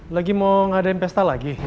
lagi mau ngadain pesta lagi